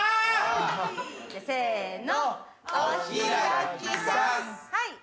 せの。